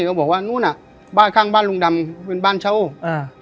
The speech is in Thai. ก็บอกว่านู้นอ่ะบ้านข้างบ้านลุงดำเป็นบ้านเช่าอ่า